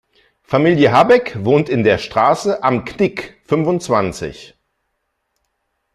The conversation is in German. Familie Habeck wohnt in der Straße Am Knick fünfundzwanzig.